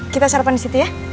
kita sarapan disitu ya